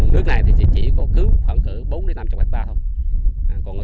nước này chỉ có khoảng bốn năm chục hectare thôi